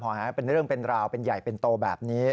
เป็นเรื่องเป็นราวเป็นใหญ่เป็นโตแบบนี้